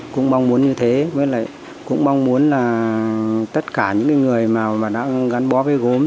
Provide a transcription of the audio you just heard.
cũng mong muốn như thế với lại cũng mong muốn là tất cả những người mà đã gắn bó với gốm